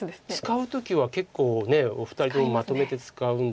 使う時は結構お二人ともまとめて使うんですけど。